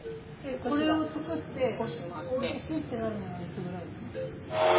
これを作っておいしいってなるのはいつぐらいなん？